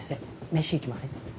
メシ行きません？